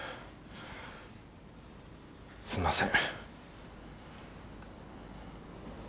すんません。